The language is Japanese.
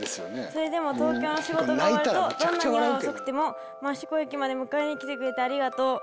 それでも東京の仕事が終わるとどんなに夜遅くても益子駅まで迎えに来てくれてありがとう。